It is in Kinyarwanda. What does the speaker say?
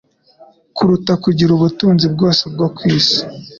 kuruta kugira ubutunzi bwose bwo ku isi